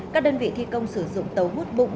các đơn vị thi công sử dụng tàu hút bụng